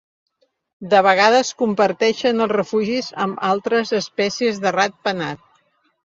De vegades comparteixen els refugis amb altres espècies de ratpenat.